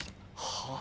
はあ？